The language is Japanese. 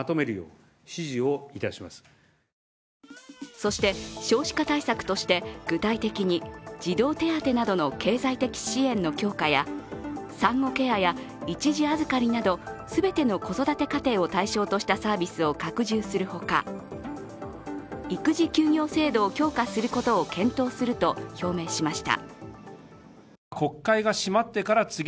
そして少子化対策として具体的に児童手当などの経済的支援の強化や産後ケアや、一時預かりなど全ての子育て家庭を対象としたサービスを拡充するほか育児休業制度を強化することを検討すると表明しました。